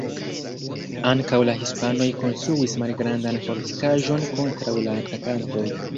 Ankaŭ la hispanoj konstruis malgrandan fortikaĵon kontraŭ la atakantoj.